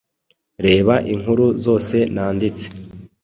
reba inkuru zose nanditse